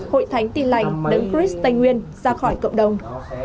hội thánh tin lành đứng cris tây nguyên ra khỏi cộng đồng